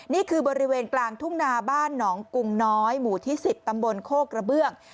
นี่คือบริเวณกลางทุ่งนาบ้านหนองกุงน้อยหมู่ที่๑๐ตำบลโคกระเบื้อง